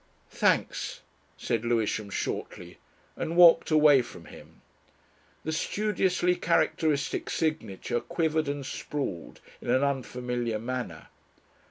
"Thanks," said Lewisham shortly, and walked away from him. The studiously characteristic signature quivered and sprawled in an unfamiliar manner.